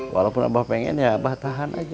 walaupun abah pengen ya abah tahan aja